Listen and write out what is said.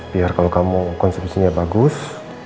biar kalau kamu konsumsinya bagus